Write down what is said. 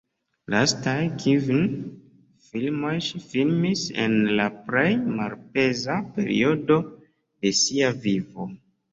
Lastaj kvin filmoj ŝi filmis en la plej malpeza periodo de sia vivo.